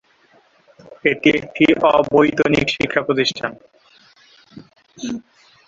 এটি একটি অবৈতনিক শিক্ষাপ্রতিষ্ঠান।